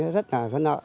rất là phân hợp